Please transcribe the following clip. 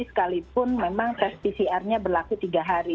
sekalipun memang tes pcrnya berlaku tiga hari